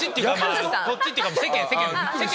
こっちっていうか世間。